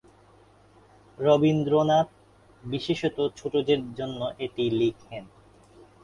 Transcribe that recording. রবীন্দ্রনাথ বিশেষত ছোটদের জন্য এটি লিখেন।